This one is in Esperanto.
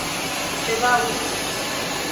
bedaŭri